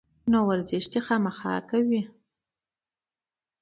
نو ورزش دې خامخا کوي